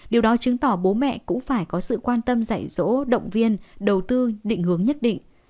điều đó chứng tỏ bố mẹ cũng phải có sự quan tâm dạy dỗ động viên đầu tư định hướng nhất định